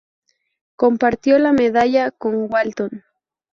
Compartió la medalla con Walton.